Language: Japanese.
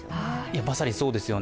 まさにそうですよね。